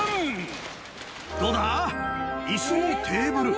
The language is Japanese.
どうだ？